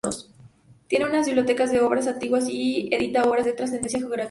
Tiene una biblioteca de obras antiguas y edita obras de trascendencia geográfica.